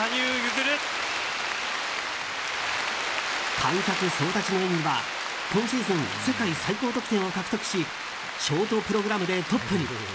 観客総立ちの演技は今シーズン世界最高得点を記録しショートプログラムでトップに。